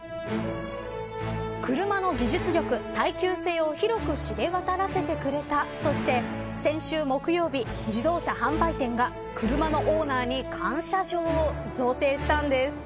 車の技術力、耐久性を広く知れ渡らせてくれたとして先週木曜日自動車販売店が車のオーナーに感謝状を贈呈したんです。